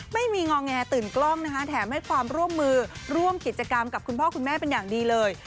งอแงตื่นกล้องนะคะแถมให้ความร่วมมือร่วมกิจกรรมกับคุณพ่อคุณแม่เป็นอย่างดีเลย